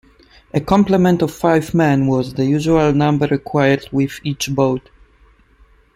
A complement of five men was the usual number required with each boat.